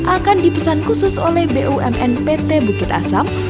akan dipesan khusus oleh bumn pt bukit asam